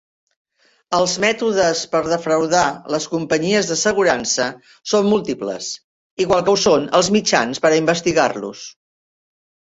Els mètodes per defraudar les companyies d'assegurança són múltiples, igual que ho són els mitjans per a investigar-los.